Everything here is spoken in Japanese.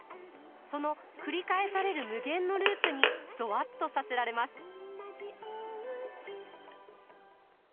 その繰り返される無限のループにゾワッとさせられます。